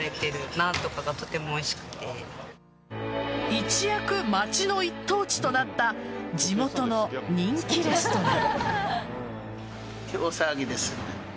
一躍、町の一等地となった地元の人気レストラン。